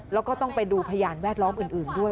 แล้วก็ต้องไปดูพยานแวดล้อมอื่นด้วย